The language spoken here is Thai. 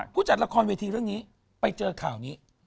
ผู้จัดละครเวทีเรื่องนี้ไปเจอข่าวนี้